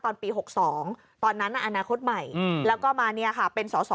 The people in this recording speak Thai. ตอนปี๖๒ตอนนั้นอนาคตใหม่แล้วก็มาเนี่ยค่ะเป็นสอสอ